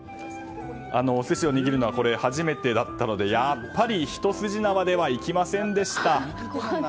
お寿司を握るのはこれが初めてだったのでやっぱり、一筋縄ではいきませんでした。